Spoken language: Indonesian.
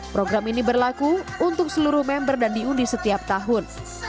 program ini berlaku untuk seluruh member dan diundi setiap tahun